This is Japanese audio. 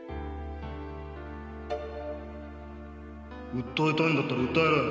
訴えたいんだったら訴えろよ。